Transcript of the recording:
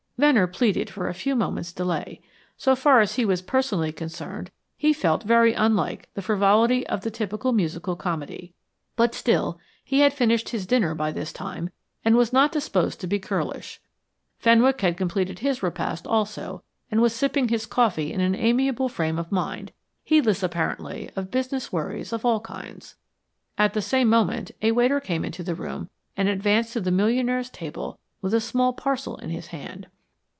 Venner pleaded for a few moments' delay. So far as he was personally concerned he felt very unlike the frivolity of the typical musical comedy; but still, he had finished his dinner by this time and was not disposed to be churlish. Fenwick had completed his repast also, and was sipping his coffee in an amiable frame of mind, heedless apparently of business worries of all kinds. At the same moment a waiter came into the room and advanced to the millionaire's table with a small parcel in his hand.